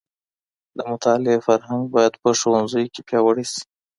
د مطالعې فرهنګ بايد په ښوونځيو کي پياوړی سي.